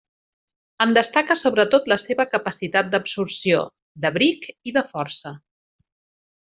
En destaca sobretot la seva capacitat d'absorció, d'abric i de força.